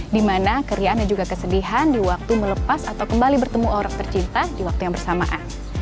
dimana kerian dan juga kesedihan di waktu melepas atau kembali bertemu orang tercinta di waktu yang bersamaan